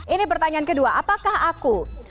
ini pertanyaan kedua apakah aku